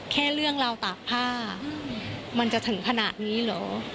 แค่เรื่องราวตากผ้ามันจะถึงขนาดนี้เหรอ